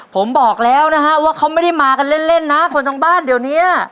ผมบอกแล้วนะฮะว่าเขาไม่ได้มากันเล่นนะคนทั้งบ้านเดี๋ยวนี้